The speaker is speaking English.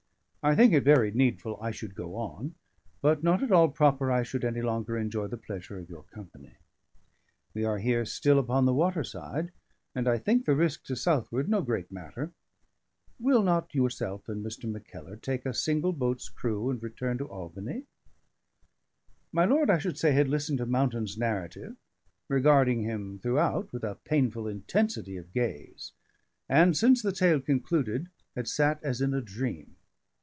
"I think it very needful I should go on, but not at all proper I should any longer enjoy the pleasure of your company. We are here still upon the water side; and I think the risk to southward no great matter. Will not yourself and Mr. Mackellar take a single boat's crew and return to Albany?" My lord, I should say, had listened to Mountain's narrative, regarding him throughout with a painful intensity of gaze; and, since the tale concluded, had sat as in a dream.